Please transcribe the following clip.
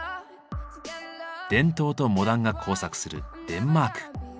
伝統とモダンが交錯するデンマーク。